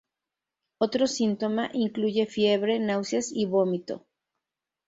Otro síntoma incluye fiebre, náuseas y vómito.